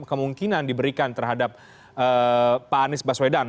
kemungkinan diberikan terhadap pak anies baswedan